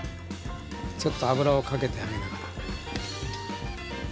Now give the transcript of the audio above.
ちょっと油をかけてあげながら。